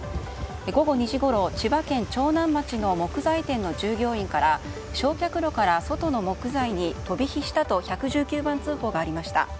午後２時ごろ千葉県長南町の木材店の従業員から焼却炉から外の木材に飛び火したと１１９番通報がありました。